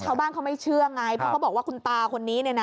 ชาวบ้านเขาไม่เชื่อไงเพราะเขาบอกว่าคุณตาคนนี้เนี่ยนะ